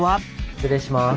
失礼します。